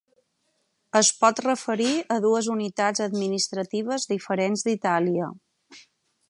Es pot referir a dues unitats administratives diferents d'Itàlia.